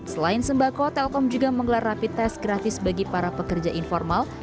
selain sembako telkom juga menggelar rapi tes gratis bagi para pekerja informal